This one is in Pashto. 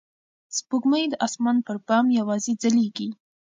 سپوږمۍ د اسمان پر بام یوازې ځلېږي.